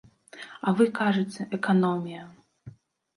А вы кажаце, эканомія!